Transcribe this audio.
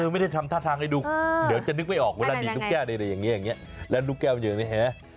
ไม่ได้ทำท่าทางให้ดูเดี๋ยวจะนึกไม่ออกเวลาดีดลูกแก้วได้เลยอย่างนี้แล้วลูกแก้วมันอยู่อย่างนี้เห็นไหม